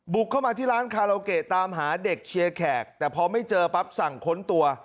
เข้ามาที่ร้านคาราโอเกะตามหาเด็กเชียร์แขกแต่พอไม่เจอปั๊บสั่งค้นตัว